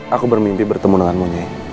aku bermimpi bertemu denganmu nye